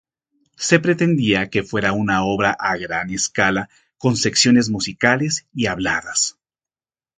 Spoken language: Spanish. Se pretendía que fuera una obra a gran escala con secciones musicales y habladas.